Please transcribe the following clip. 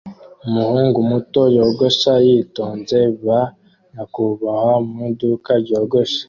Umuhungu muto yogosha yitonze ba nyakubahwa mu iduka ryogosha